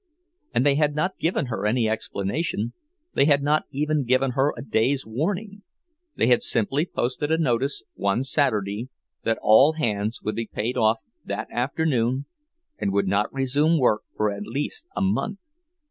And they had not given her any explanation, they had not even given her a day's warning; they had simply posted a notice one Saturday that all hands would be paid off that afternoon, and would not resume work for at least a month!